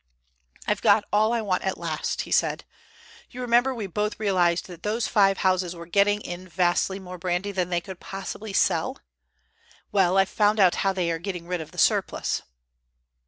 "I've got all I want at last," he said. "You remember we both realized that those five houses were getting in vastly more brandy than they could possibly sell? Well, I've found out how they are getting rid of the surplus."